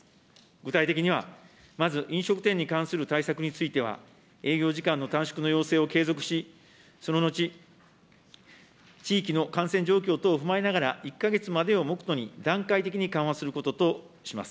具体的には、まず飲食店に関する対策については、営業時間の短縮の要請を継続し、その後地域の感染状況等を踏まえながら、１か月までを目途に段階的に緩和することとします。